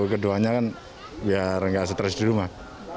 keduanya kan biar nggak stres di rumah